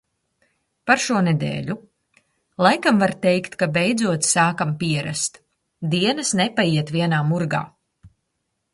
Par šo nedēļu. Laikam var teikt, ka beidzot sākam pierast. Dienas nepaiet vienā murgā.